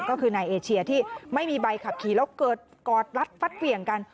ก็คือนายเอเชียที่ไม่มีใบขับขี่แล้วเกิดกอดรัดฟัดเหวี่ยงกัน